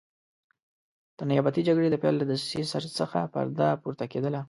د نیابتي جګړې د پیل له دسیسې څخه پرده پورته کېدله.